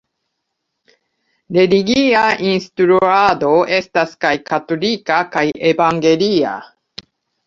Religia instruado estas kaj katolika kaj evangelia.